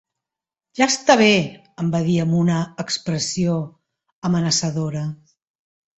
"Ja està bé", em va dir amb una expressió amenaçadora.